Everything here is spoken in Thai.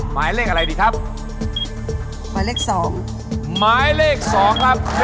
หมายเลขอะไรดีครับหมายเลขสองหมายเลขสองครับ